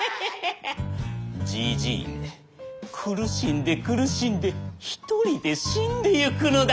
じじいめ苦しんで苦しんで１人で死んでいくのだ。